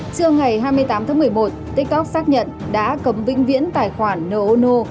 trưa ngày hai mươi tám tháng một mươi một tiktok xác nhận đã cấm vĩnh viễn tài khoản no